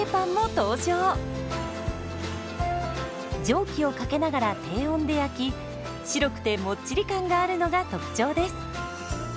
蒸気をかけながら低温で焼き白くてもっちり感があるのが特徴です。